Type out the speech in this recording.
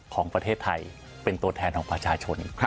ของประเทศไทยเป็นตัวแทนของประชาชน